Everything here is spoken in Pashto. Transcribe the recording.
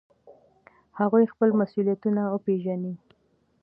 هغوی خپل مسؤلیتونه وپیژني.